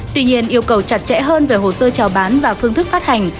tuy nhiên yêu cầu chặt chẽ hơn về hồ sơ trào bán và phương thức phát hành